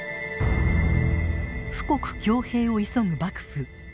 富国強兵を急ぐ幕府。